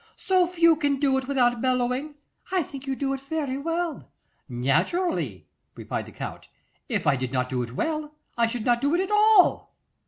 So few can do it without bellowing. I think you do it very well.' 'Naturally,' replied the Count. 'If I did not do it well, I should not do it at all.